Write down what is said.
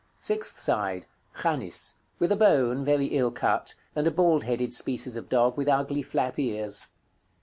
Sixth side. "CHANIS." With a bone, very ill cut; and a bald headed species of dog, with ugly flap ears.